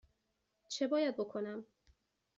چه باید بکنم؟